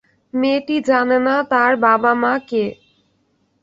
মেয়েটি জানে না, তার বাবা-মা কে।